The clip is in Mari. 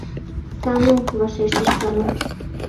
«Сану», — вашештыш Сану.